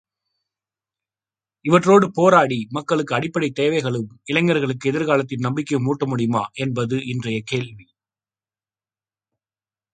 இவற்றோடு போராடி மக்களுக்கு அடிப்படைத் தேவைகளும் இளைஞர்களுக்கு எதிர்காலத்தில் நம்பிக்கையும் ஊட்ட முடியுமா என்பது இன்றைய கேள்வி.